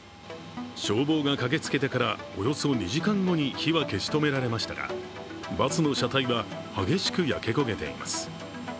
消防が駆けつけてからおよそ２時間後に火は消し止められましたがバスの車体は激しく焼け焦げています。